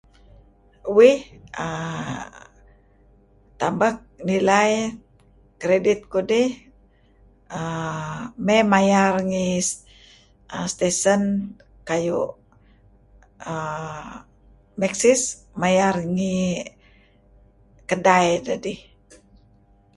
Uih uhm tambah nilai iih kredit kudih may maya uhm ngi station kayu' Maxis, mayar ngi kedai dedih.